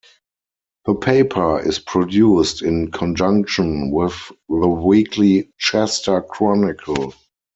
The paper is produced in conjunction with the weekly "Chester Chronicle".